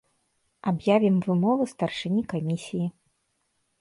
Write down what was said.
Аб'явім вымову старшыні камісіі.